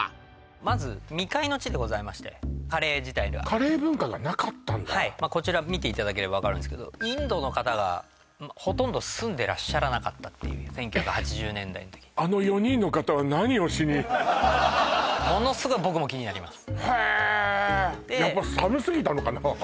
まず未開の地でございましてカレー自体がカレー文化がなかったんだはいこちら見ていただければ分かるんすけどインドの方がほとんど住んでらっしゃらなかったっていう１９８０年代の時あの４人の方は何をしにものすごい僕も気になりますへえやっぱ寒すぎたのかな